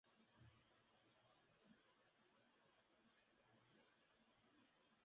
Lleva el nombre de la zona de Edimburgo en la que está ubicado, Murrayfield.